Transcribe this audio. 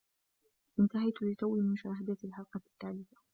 انتهيت لتوّي من مشاهدة الحلقة الثالثة.